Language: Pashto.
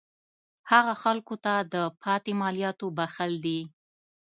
هغه خلکو ته د پاتې مالیاتو بخښل دي.